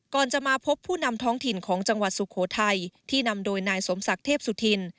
ก่อนจะมาพบผู้นำท้องถิ่นของจังหวัดสุโขทัยที่นำโดยนายสมศักดิ์เทพสุธิน